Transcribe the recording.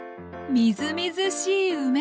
みずみずしい梅。